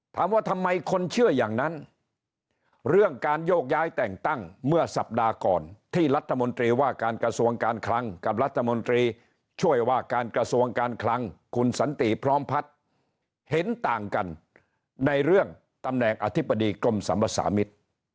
ถามว่าทำไมคนเชื่ออย่างนั้นเรื่องการโยกย้ายแต่งตั้งเมื่อสัปดาห์ก่อนที่รัฐมนตรีว่าการกระทรวงการคลังกับรัฐมนตรีช่วยว่าการกระทรวงการคลังคุณสันติพร้อมพัฒน์เห็นต่างกันในเรื่องตำแหน่งอธิบดีกรมสัมภาษามิตร